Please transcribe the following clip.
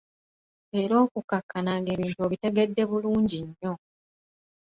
Era okukkakana ng'ebintu obitegedde bulungi nnyo.